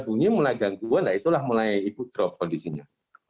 bunyi mulai jantungan itulah mulai ibu drop kondisinya